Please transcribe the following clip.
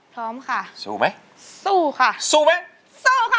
พร้อมค่ะสู้ไหมสู้ค่ะสู้ไหมสู้ค่ะ